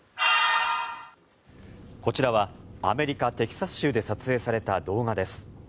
こちらはアメリカ・テキサス州で撮影された動画です。